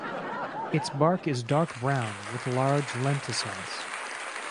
Its bark is dark brown with large lenticels.